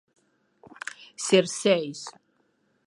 Xerseis!